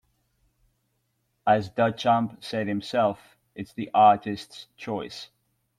As Duchamp said himself, it's the artist's choice.